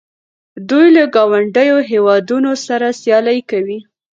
دوی له ګاونډیو هیوادونو سره سیالي کوي.